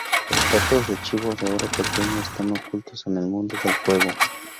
Estatuas de chivo de oro pequeño están ocultos en el mundo del juego.